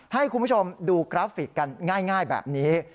ให้คุณผู้ชมดูกราฟิกกันง่ายแบบนี้